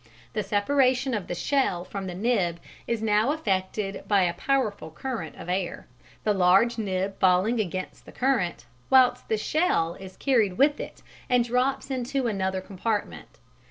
The separation of the shell from the nib is now effected by a powerful current of air, the large nib falling against the current, whilst the shell is carried with it and drops into another compartment.